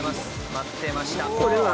待ってました。